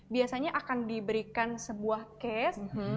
biasanya akan diberikan sebuah case